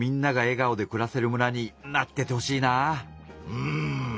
うん。